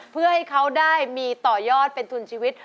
เพื่อให้เขาได้มีต่อยอดเป็นทุนชีวิต